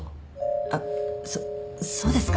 あっそっそうですか？